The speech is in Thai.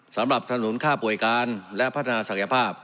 สำหรับสนุนค่าป่วยการและพัฒนาศักยภาพ